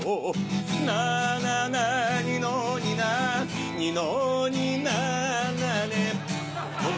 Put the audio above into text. なななにのになにのにななねのね